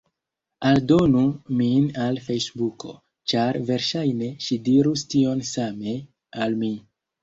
Aldonu min al Fejsbuko! ĉar verŝajne ŝi dirus tion same, al mi.